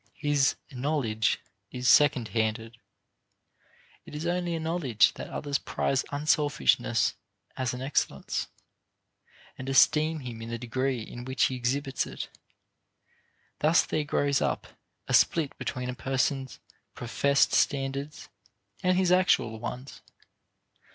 His "knowledge" is second handed; it is only a knowledge that others prize unselfishness as an excellence, and esteem him in the degree in which he exhibits it. Thus there grows up a split between a person's professed standards and his actual ones.